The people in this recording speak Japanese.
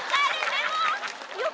でも。